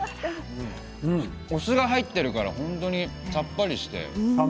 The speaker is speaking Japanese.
お酢が入っているから本当にさっぱりして。